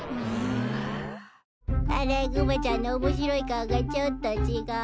アライグマちゃんの面白い顔がちょっと違う。